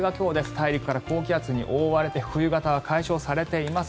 大陸から高気圧に覆われて冬型は解消されています。